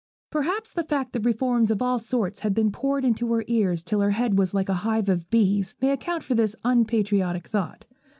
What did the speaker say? Perhaps the fact that reforms of all sorts had been poured into her ears till her head was like a hive of bees, may account for this unpatriotic thought.